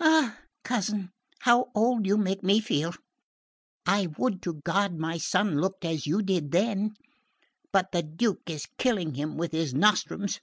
Ah, cousin how old you make me feel! I would to God my son looked as you did then; but the Duke is killing him with his nostrums.